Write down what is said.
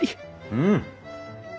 うん！